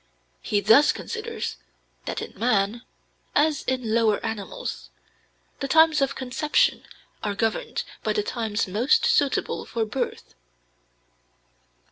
He thus considers that in man, as in lower animals, the times of conception are governed by the times most suitable for birth.